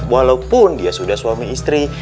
walaupun dia sudah suami istri